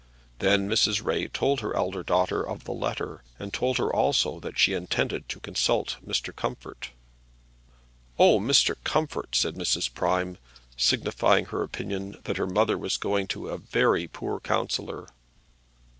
Then Mrs. Ray told her elder daughter of the letter, and told her also that she intended to consult Mr. Comfort. "Oh, Mr. Comfort!" said Mrs. Prime, signifying her opinion that her mother was going to a very poor counsellor.